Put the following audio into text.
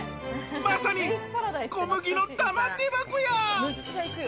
まさに小麦の玉手箱や。